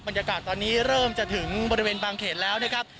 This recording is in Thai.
บรรยากาศตอนนี้เริ่มจะถึงบริเวณบางเขตแล้วนะครับ